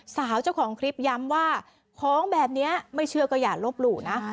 สาวเจ้าของคลิปย้ำว่าของแบบนี้ไม่เชื่อก็อย่าลบหลู่นะ